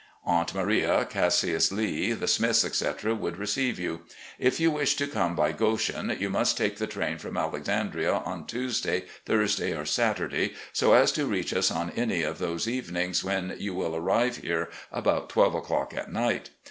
Aunt Maria, Cassius Lee, the Smiths, etc., would receive you. If you wish to ccane by Goshen, you must take the train from Alexandria on Tuesday, Thursday, or Saturday, so as to reach us on any of those evenings, when you will arrive here about twelve o'clock at night.